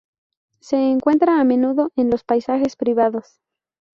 Se encuentra a menudo en los paisajes privados.